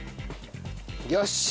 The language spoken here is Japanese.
よし。